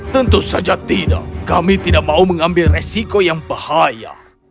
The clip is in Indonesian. tentu saja tidak kami tidak mau mengambil resiko yang bahaya